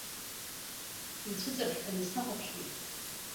Инцәыҵырҳәҳәаны снахәаԥшуеит.